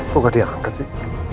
kok gak diangkat sih